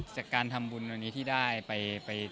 จากการทำบุญที่ได้